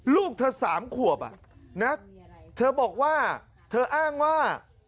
ลูกเธอ๓ขวบนะเธอบอกว่าเธออ้างว่า